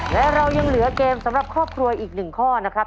และเรายังเหลือเกมสำหรับครอบครัวอีก๑ข้อนะครับ